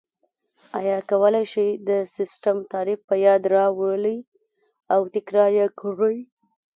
آیا کولای شئ د سیسټم تعریف په یاد راولئ او تکرار یې کړئ؟